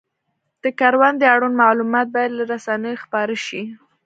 د کروندې اړوند معلومات باید له رسنیو خپاره شي.